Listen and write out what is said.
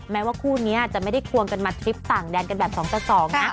แม้ว่าคู่นี้จะไม่ได้ควงกันมาทริปต่างแดนกันแบบ๒ต่อ๒นะ